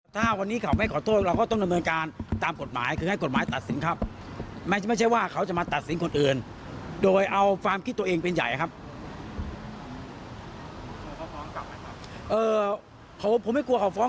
ผมไม่กลัวเขาฟ้องกลับเพราะว่าผมกับลุงพลไม่ใช่แบบเรื่องของชาวบ้าน